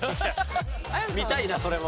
見たいなそれも。